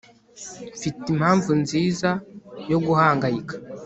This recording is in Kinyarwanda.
mfite impamvu nziza yo guhangayika